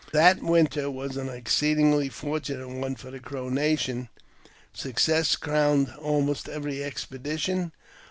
That winter was an exceedingly fortunate one for the Crow nation ; success crowned almost every expedition.